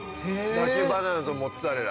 焼きバナナとモッツァレラ。